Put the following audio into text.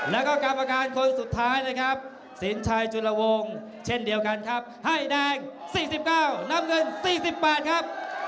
แล้วก็กรรมการคนสุดท้ายนะครับสินชัยจุลวงเช่นเดียวกันครับให้แดง๔๙น้ำเงิน๔๘ครับ